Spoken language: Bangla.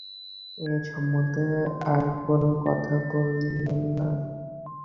এ সম্বন্ধে আর কোনো কথা বলিলেন না।